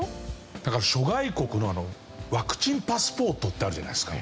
諸外国のワクチンパスポートってあるじゃないですか。